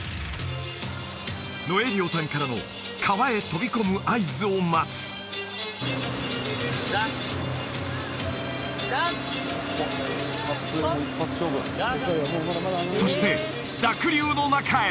ノエリオさんからの川へ飛び込む合図を待つそして濁流の中へ！